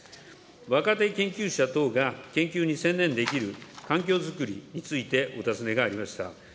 若手研究者等が研究に専念できる環境づくりについてお尋ねがありました。